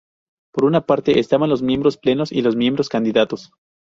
Por una parte estaban los miembros plenos y los miembros candidatos.